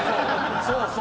そうそう。